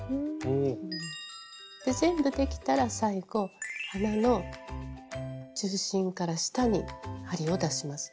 全部できたら最後鼻の中心から下に針を出します。